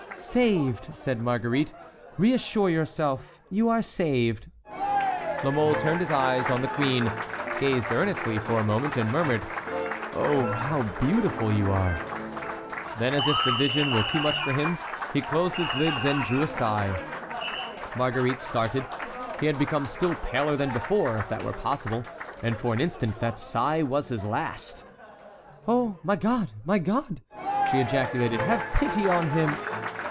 "Saved!" said Marguerite. "Reassure yourself—you are saved." La Mole turned his eyes on the queen, gazed earnestly for a moment, and murmured, "Oh, how beautiful you are!" Then as if the vision were too much for him, he closed his lids and drew a sigh. Marguerite started. He had become still paler than before, if that were possible, and for an instant that sigh was his last. "Oh, my God! my God!" she ejaculated, "have pity on him!"